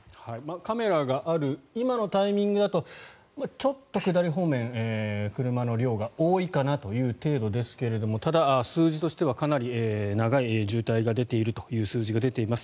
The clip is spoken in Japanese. カメラがある今のタイミングだとちょっと下り方面、車の量が多いかなという程度ですけどただ、数字としてはかなり長い渋滞が出ているという数字が出ています。